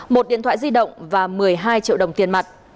một điện thoại di động và một mươi hai triệu đồng tiền mặt